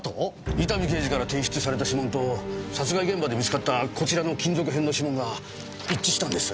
伊丹刑事から提出された指紋と殺害現場で見つかったこちらの金属片の指紋が一致したんです。